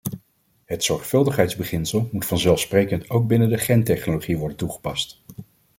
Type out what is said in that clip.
Het zorgvuldigheidsbeginsel moet vanzelfsprekend ook binnen de gentechnologie worden toegepast.